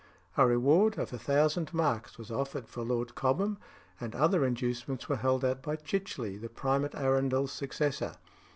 A reward of a thousand marks was offered for Lord Cobham, and other inducements were held out by Chicheley, the Primate Arundel's successor.